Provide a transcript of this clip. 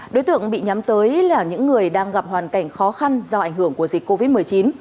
đối tượng bị nhắm tới là những người đang gặp hoàn cảnh khó khăn do ảnh hưởng của dịch covid một mươi chín